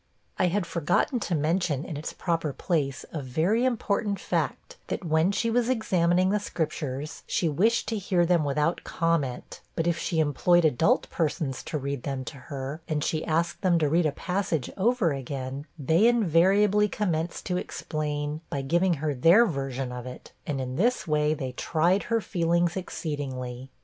I had forgotten to mention, in its proper place, a very important fact, that when she was examining the Scriptures, she wished to hear them without comment; but if she employed adult persons to read them to her, and she asked them to read a passage over again, they invariably commenced to explain, by giving her their version of it; and in this way, they tried her feelings exceedingly.